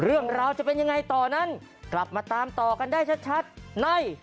เรื่องราวจะเป็นยังไงต่อนั้นกลับมาตามต่อกันได้ชัดใน